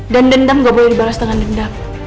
dan dendam gak boleh dibalas dengan dendam